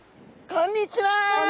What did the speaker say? こんにちは！